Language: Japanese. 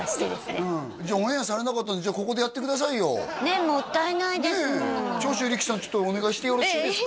うんじゃあオンエアされなかったのじゃあここでやってくださいよねえもったいないですもん長州力さんちょっとお願いしてよろしいですか？